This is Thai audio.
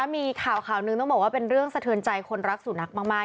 มีข่าวข่าวหนึ่งต้องบอกว่าเป็นเรื่องสะเทือนใจคนรักสุนัขมาก